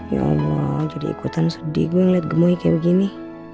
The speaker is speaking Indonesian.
ya allah jadi ikutan sedih gue ngeliat gue kayak begini